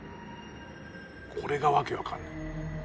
これが訳分かんない。